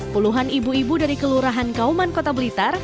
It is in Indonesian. puluhan ibu ibu dari kelurahan kauman kota blitar